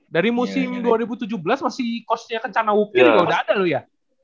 dari musim dua ribu tujuh belas masih kosnya kencana upir juga udah ada loh ya